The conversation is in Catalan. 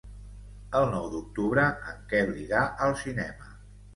El nou d'octubre en Quel irà al cinema.